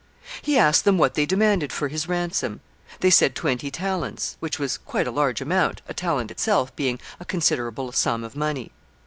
He asked them what they demanded for his ransom. They said twenty talents, which was quite a large amount, a talent itself being a considerable sum of money.